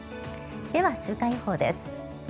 では、週間予報です。